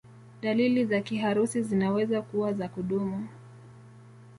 Dalili za kiharusi zinaweza kuwa za kudumu.